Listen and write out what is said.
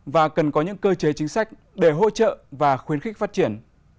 và cần có những cơ chế chính sách để hỗ trợ và khuyến khích phát triển